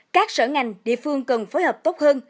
các sở ngành địa phương cần phối hợp tốt hơn